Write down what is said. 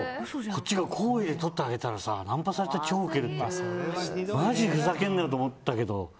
こっちが好意で撮ってあげたのにナンパされた超ウケるってマジふざけんなよと思ったけど。